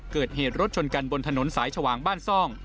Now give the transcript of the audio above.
เกิดเหตุรถชนกันบนถนนสายชวางบ้านซ่อง